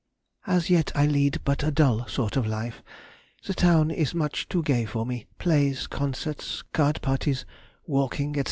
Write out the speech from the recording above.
As yet I lead but a dull sort of life; the town is much too gay for me—plays, concerts, card parties, walking, &c.